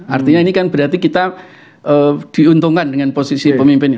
artinya ini kan berarti kita diuntungkan dengan posisi pemimpin ini